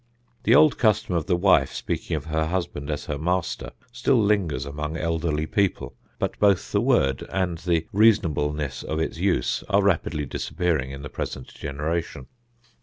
The old custom of the wife speaking of her husband as her "master" still lingers among elderly people; but both the word and the reasonableness of its use are rapidly disappearing in the present generation.